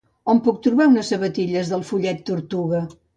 On puc trobar unes sabatilles del Follet Tortuga?